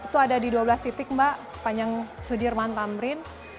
itu ada di dua belas titik mbak sepanjang sudirman tamrin